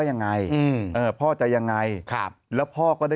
คนละเรื่องเลยทำไมพ่อโอเคอ่ะ